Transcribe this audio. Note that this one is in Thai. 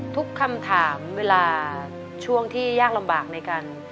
ทุกคำถามเวลาช่วงที่ยากลำบากในการ